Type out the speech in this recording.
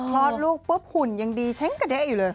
พอต้นลูกปฏิหุ่นยังดีเช่งกะเลยอยู่เลย